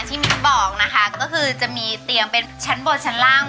มิ้นบอกนะคะก็คือจะมีเตียงเป็นชั้นบนชั้นล่าง